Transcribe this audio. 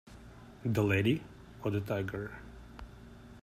The Lady, or the Tiger?